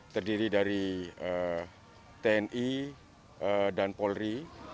terdiri dari tni dan polri